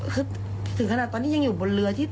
คือถึงขนาดตอนยังอยู่บนเรือ